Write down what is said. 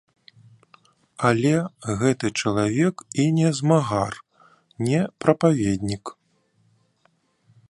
Але гэты чалавек і не змагар, не прапаведнік.